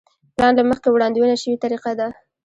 پلان له مخکې وړاندوينه شوې طریقه ده.